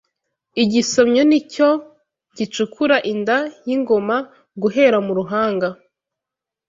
Igisomyo Nicyo gicukura inda y’ingoma guhera mu ruhanga